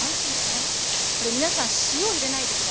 これ皆さん塩入れないで下さいね。